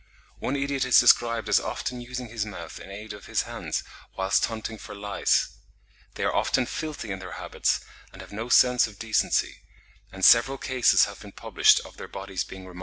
One idiot is described as often using his mouth in aid of his hands, whilst hunting for lice. They are often filthy in their habits, and have no sense of decency; and several cases have been published of their bodies being remarkably hairy.